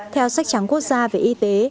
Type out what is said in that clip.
theo sách trắng quốc gia về y tế